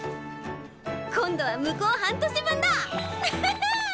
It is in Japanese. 今度は向こう半年分だアハハ！